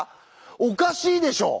おかしいでしょ！